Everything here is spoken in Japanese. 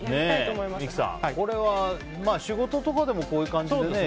三木さん、仕事とかでもこういう感じでね。